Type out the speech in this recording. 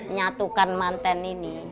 nyatukan mantan ini